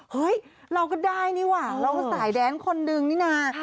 เฮ้ยเราก็ได้นี่ว่ะเราก็สายแดนคนนึงนี่นะ